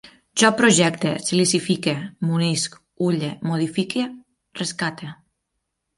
Jo projecte, silicifique, munisc, ulle, modifique, rescate